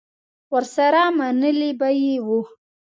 ورسره منلې به یې وه.